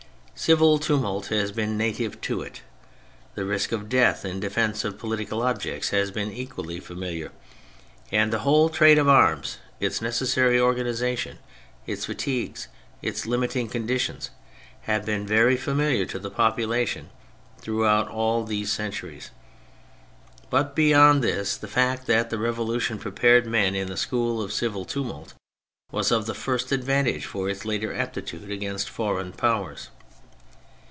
Civil tumult has been native to it, the risk of death in defence of political objects has been equally familiar, and the whole trade of arms, its necessary organisation, its fatigues and its limiting conditions, have been very familiar to the population throughout all these centuries. But beyond this the fact that the Revolution prepared men in the school of civil tumult was of the first advan tage for its later aptitude against foreign Powers.